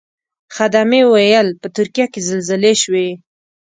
خدمې ویل په ترکیه کې زلزلې شوې.